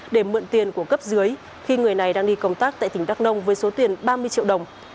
để mượn tiền của cấp dưới khi người này đang đi công tác tại tỉnh đắk nông với số tiền ba mươi triệu đồng